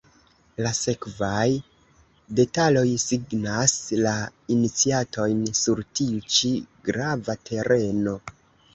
La sekvaj detaloj signas la iniciatojn sur tiu ĉi grava tereno.